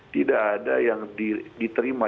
tidak ada yang diterima